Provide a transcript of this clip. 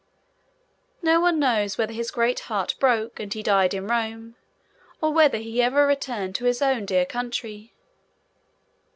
No one knows whether his great heart broke, and he died in Rome, or whether he ever returned to his own dear country.